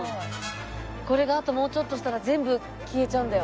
これがあともうちょっとしたら全部消えちゃうんだよ。